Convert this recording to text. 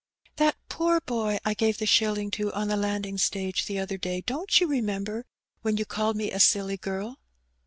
*' ''That poor boy I gave the shilling to on the landing stage the other day^ don't you remember — ^when you called me a silly girl?"